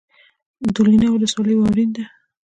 دولینه ولسوالۍ واورین ده؟